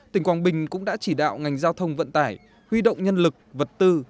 tỉnh quảng bình cũng đã chỉ đạo ngành giao thông vận tải huy động nhân lực vật tư